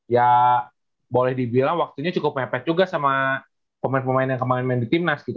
ya boleh dibilang waktunya cukup mepet juga sama pemain pemain yang kemarin main di timnas gitu